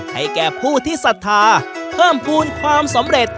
ให้แก่ผู้ที่ศรัทธาเพิ่มภูมิความสำเร็จ